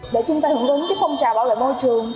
để chúng ta hưởng ứng phong trào bảo vệ môi trường